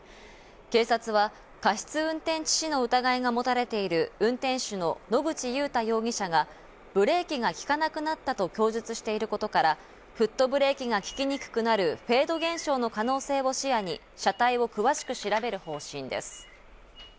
警察は過失運転致死の疑いが持たれている運転手の野口祐太容疑者がブレーキが利かなくなったと供述していることからフットブレーキが利きにくくなるフェード現象の可能性を視野に車体を詳しく調べる方針です。